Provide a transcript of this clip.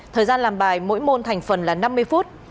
thời gian làm bài mỗi môn thành phần là năm mươi phút